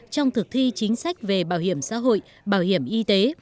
trong thực thi chính sách về bảo hiểm xã hội bảo hiểm y tế